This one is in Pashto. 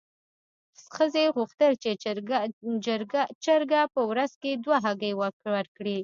ښځې غوښتل چې چرګه په ورځ کې دوه هګۍ ورکړي.